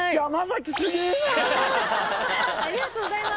ありがとうございます。